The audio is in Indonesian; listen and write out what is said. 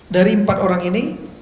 dari empat orang ini